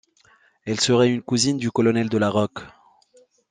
Elle serait une cousine du colonel de La Rocque.